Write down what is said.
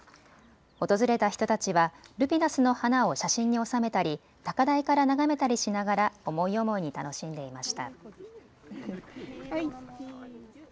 訪れた人たちはルピナスの花を写真に収めたり高台から眺めたりしながら思い思いに楽しんでいました。